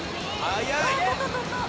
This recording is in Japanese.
速い！